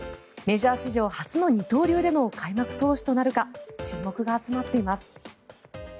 メジャー史上初の二刀流での開幕投手となるか注目が集まっています。